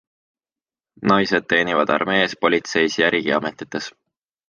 Naised teenivad armees, politseis ja riigiametites.